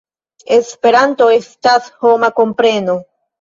Esperanto estas homa kompreno.